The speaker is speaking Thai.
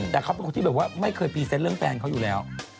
แต่เขาเป็นคนที่แบบว่าไม่เคยพรีเซนต์เรื่องแฟนเขาอยู่แล้ว